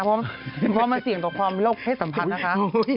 เพราะมันเสี่ยงต่อความโรคเพศสัมพันธ์นะคะ